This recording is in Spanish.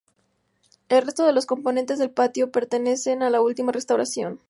El resto de los componentes del patio pertenecen a la última restauración.